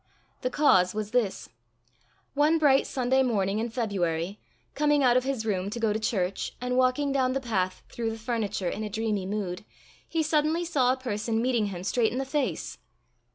The cause was this: one bright Sunday morning in February, coming out of his room to go to church, and walking down the path through the furniture in a dreamy mood, he suddenly saw a person meeting him straight in the face.